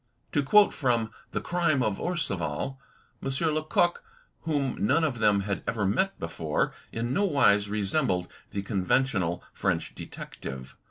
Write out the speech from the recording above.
To quote from "The Crime of Orcival": M. Lecoq, whom none of them had ever met before, in no wise resembled the conventional French detective.